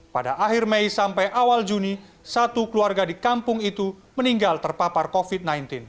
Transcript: pada akhir mei sampai awal juni satu keluarga di kampung itu meninggal terpapar covid sembilan belas